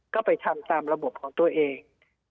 ก็ไปทำตามระบบของตัวเอง